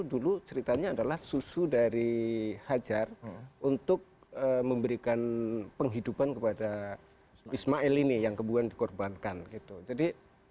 dulu ceritanya adalah susu dari hajar untuk memberikan penghidupan kepada ismail ini yang kemudian dikorbankan gitu jadi